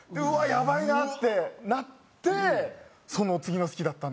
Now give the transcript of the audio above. やばいなってなってその次の月だったんで。